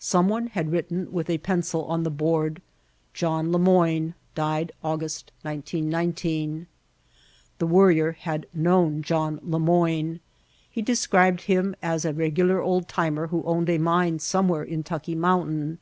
Someone had written with a pencil on the board : ''John Lemoign, Died Aug. 1919." The Worrier had known John Lemoign. He described him as a regular old timer who owned a mine somewhere in Tucki Mountain.